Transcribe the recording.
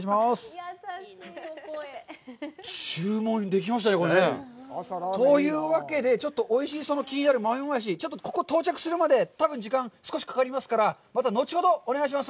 注文できましたね。というわけで、ちょっとおいしいその気になる豆もやし、ちょっとここ到着するまで多分、時間、少しかかりますから、また後ほどお願いします。